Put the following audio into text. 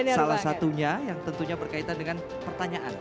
salah satunya yang tentunya berkaitan dengan pertanyaan